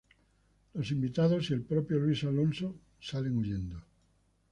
Los invitados y el propio Luis Alonso salen huyendo.